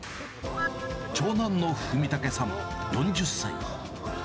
長男の文武さん４０歳。